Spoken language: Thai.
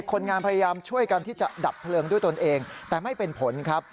คนงานพยายามช่วยกันที่จะดับเพลิงด้วยตนเองแต่ไม่เป็นผลครับ